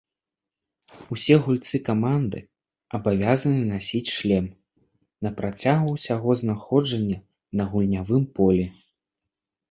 Усе гульцы каманды абавязаны насіць шлем на працягу ўсяго знаходжання на гульнявым полі.